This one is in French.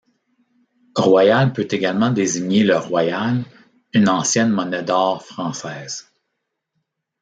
Royal peut également désigner le Royal, une ancienne monnaie d'or française.